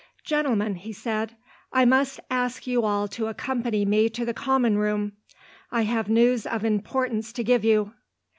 "Gentlemen," he said, "I must ask you all to accompany me to the common room. I have news of importance to give you."